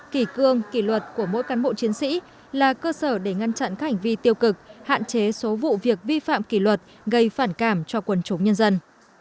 kỳ cương kỳ luật của mỗi cán bộ chiến sĩ là cơ sở để ngăn chặn các hành vi tiêu cực hạn chế số vụ việc vi phạm kỳ luật gây phản cảm cho quân chúng nhân dân